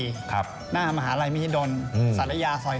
ก็พุทธกรรมทรนด์สาย๔หน้ามหาลัยมิธิดลศรยสอย๓